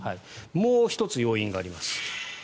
もう１つ、要因があります。